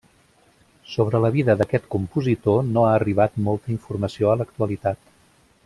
Sobre la vida d'aquest compositor no ha arribat molta informació a l'actualitat.